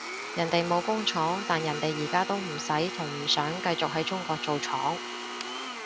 人哋冇工廠，但人哋而家都唔使同唔想繼續喺中國做廠